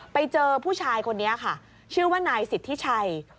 ไปเจอผู้ชายคนนี้ค่ะชื่อว่านายสิทธิชัย